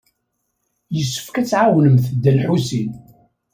Yessefk ad tɛawnemt Dda Lḥusin.